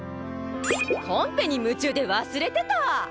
コンペに夢中で忘れてた！